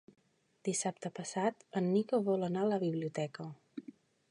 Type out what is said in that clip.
Demà passat en Nico vol anar a la biblioteca.